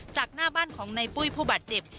จากหน้าบ้านของในปุ้ยผู้บาดเจ็บ